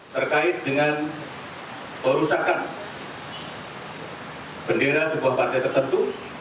terkait dengan perusahaan bendera sebuah partai tertentu